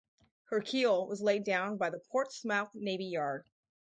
Her keel was laid down by the Portsmouth Navy Yard.